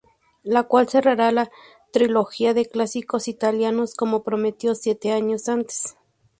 La cual cerrará la trilogía de clásicos italianos como prometió siete años antes.